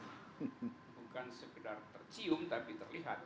bukan sekedar tercium tapi terlihat